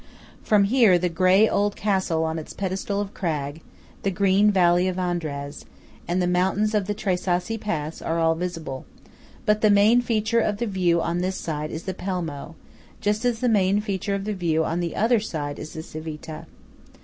From here the grey old castle on its pedestal of crag, the green valley of Andraz, and the mountains of the Tre Sassi Pass are all visible; but the main feature of the view on this side is the Pelmo–just as the main feature of the view on the other side is the Civita.